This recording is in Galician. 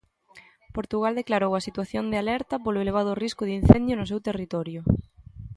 Portugal declarou a situación de alerta polo elevado risco de incendio no seu territorio.